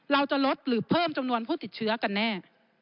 เราจะลดหรือเพิ่มจำนวนผู้ติดเชื้อกันแน่